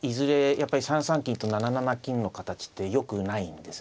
やっぱり３三金と７七金の形ってよくないんですね。